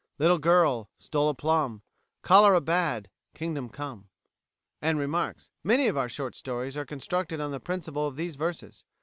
Little girl Stole a plum, Cholera bad, Kingdom come," and remarks: "Many of our short stories are constructed on the principle of these verses.